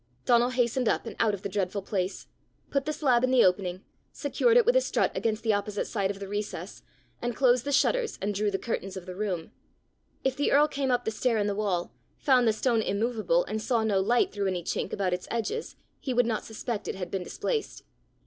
Donal hastened up, and out of the dreadful place, put the slab in the opening, secured it with a strut against the opposite side of the recess, and closed the shutters and drew the curtains of the room; if the earl came up the stair in the wall, found the stone immovable, and saw no light through any chink about its edges, he would not suspect it had been displaced!